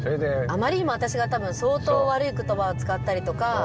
あまりにも私が多分相当悪い言葉を使ったりとか。